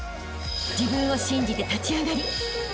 ［自分を信じて立ち上がりあしたへ